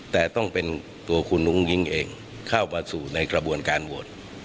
แต่ต้องเป็นตัวคุณอุ้งอิ๊งเองเข้ามาสู่ในกระบวนการโหวต